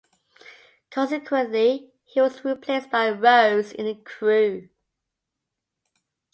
Consequently, he was replaced by Rhodes in the crew.